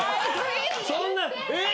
そんなえ！俺？